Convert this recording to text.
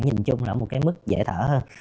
nhìn chung là một cái mức dễ thở hơn